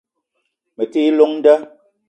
Me ti i llong nda